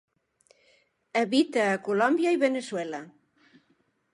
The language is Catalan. Habita a Colòmbia i Veneçuela.